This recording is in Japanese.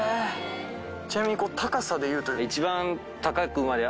ちなみに高さで言うと？